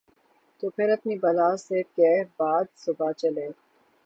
تو پھر اپنی بلا سے کہ باد صبا چلے۔